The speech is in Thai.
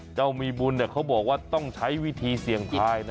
เจ้ามีบุญเขาบอกว่าต้องใช้วิธีเสี่ยงทายนะ